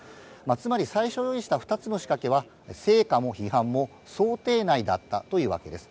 つまり、最初用意した２つの仕掛けは、成果も批判も想定内だったというわけです。